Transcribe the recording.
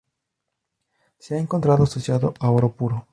Se ha encontrado asociado a oro puro.